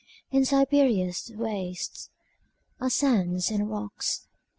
In Siberia's wastesAre sands and rocks.